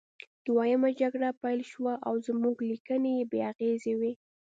دویمه جګړه پیل شوه او زموږ لیکنې بې اغیزې وې